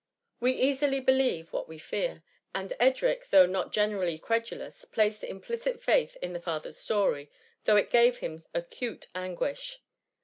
We easily believe what we fear; and Edric, though not generally credulous, placed implicit faith in the father^s story, though it gave him acute anguish.